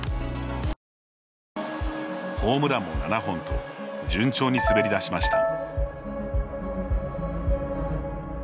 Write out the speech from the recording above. ホームランも７本と順調に滑り出しました。